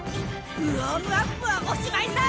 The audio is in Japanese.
ウォームアップはおしまいさ！